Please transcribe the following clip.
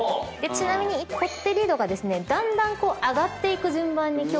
ちなみにこってり度がですねだんだん上がっていく順番に。